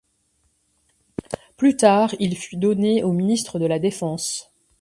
Plus tard, il fut donné au ministre de la défense.